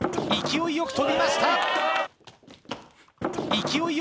勢いよく跳びました！